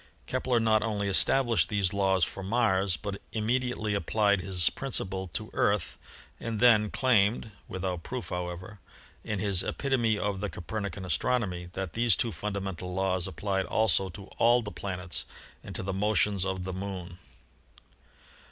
Kepler not only established these laws for Mars, but immediately applied his principle to the Earth and then claimed (without proof, however) in his "Epitome of the Copernican Astronomy" that these two fundamental laws applied also to all the planets and to the motions of the Moon.